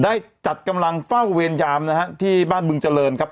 ได้จัดกำลังเฝ้าเวรยามนะฮะที่บ้านบึงเจริญครับ